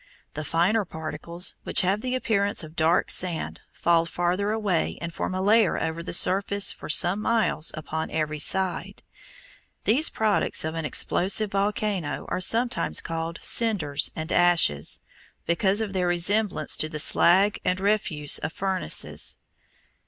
The finer particles, which have the appearance of dark sand, fall farther away and form a layer over the surface for some miles upon every side. These products of an explosive volcano are sometimes called cinders and ashes, because of their resemblance to the slag and refuse of furnaces.